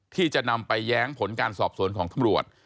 ที่จะนำไปแย้งผลการสอบสวนของตำรวจ